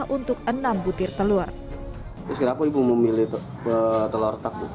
untuk enam butir telur itu sekarang harganya rp satu dibelah keberatan ya gimana ya habis butuh ya